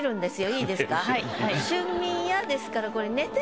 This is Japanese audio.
いいですか？